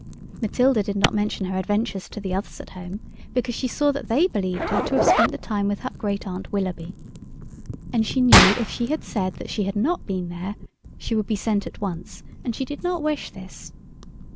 Matilda did not mention her adventures to the others at home because she saw that they believed her to have spent the time with her Great aunt Willoughby. And she knew if she had said that she had not been there she would be sent at once—and she did not wish this.